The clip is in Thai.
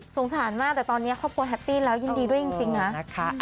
สงสารมากแต่ตอนนี้ครอบครัวแฮปปี้แล้วยินดีด้วยจริงนะ